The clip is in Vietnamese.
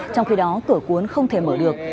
trong khi đó cửa cuốn không thể mở được